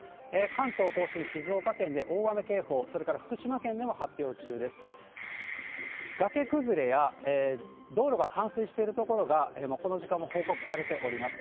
関東甲信、静岡県で大雨警報、それから福島県でも発表中です。